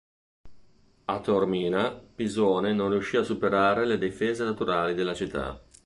A Taormina Pisone non riuscì a superare le difese naturali della città.